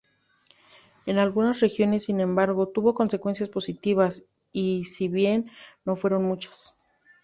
En algunas regiones, sin embargo, tuvo consecuencias positivas, si bien no fueron muchas.